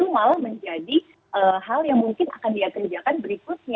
lama lama itu malah menjadi hal yang mungkin akan dikerjakan berikutnya gitu loh